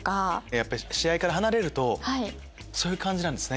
やっぱり試合から離れるとそういう感じなんですね